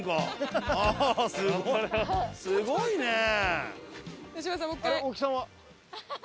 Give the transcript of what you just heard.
すごいね。